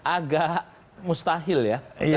agak mustahil ya